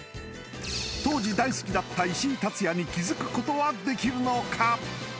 当時大好きだった石井竜也に気づくことはできるのか